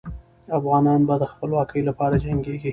افغانان به د خپلواکۍ لپاره جنګېږي.